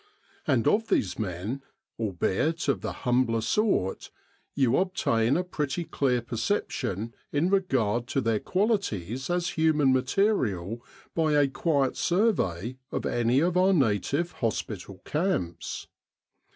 And of these men, albeit of the humbler sort, you obtain a pretty clear perception in regard to their qualities as human material by a quiet survey of any of our native hospital camps.